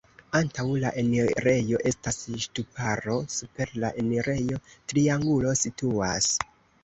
Antaŭ la enirejo estas ŝtuparo, super la enirejo triangulo situas.